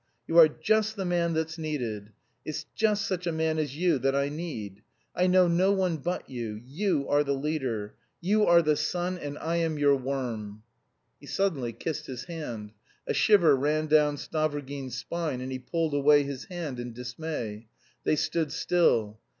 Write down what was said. You are just the man that's needed. It's just such a man as you that I need. I know no one but you. You are the leader, you are the sun and I am your worm." He suddenly kissed his hand. A shiver ran down Stavrogin's spine, and he pulled away his hand in dismay. They stood still.